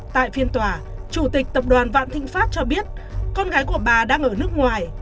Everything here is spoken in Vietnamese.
tại phiên tòa chủ tịch tập đoàn vạn thịnh pháp cho biết con gái của bà đang ở nước ngoài